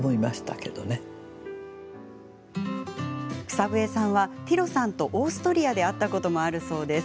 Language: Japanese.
草笛さんは、ティロさんとオーストリアで会ったこともあるそうです。